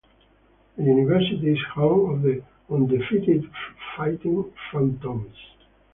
The university is home of the undefeated Fighting Phantoms.